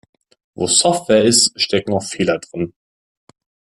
Wo Software ist, stecken auch Fehler drinnen.